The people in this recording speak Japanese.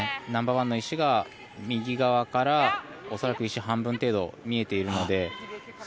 ナンバーワンの石が右側から恐らく石半分程度見えているので。